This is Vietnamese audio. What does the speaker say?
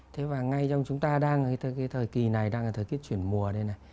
thế và ngay trong chúng ta đang cái thời kỳ này đang là thời tiết chuyển mùa này này